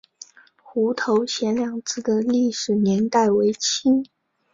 湖头贤良祠的历史年代为清。